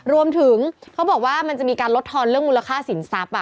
เขาบอกว่ามันจะมีการลดทอนเรื่องมูลค่าสินทรัพย์